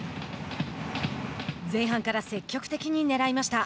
前半から積極的にねらいました。